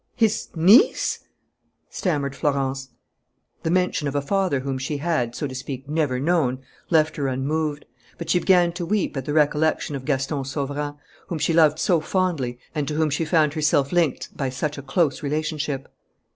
... His niece?" stammered Florence. The mention of a father whom she had, so to speak, never known, left her unmoved. But she began to weep at the recollection of Gaston Sauverand, whom she loved so fondly and to whom she found herself linked by such a close relationship.